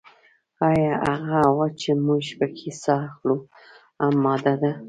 ایا هغه هوا چې موږ پکې ساه اخلو هم ماده ده